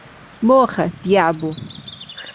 Morra, diabo!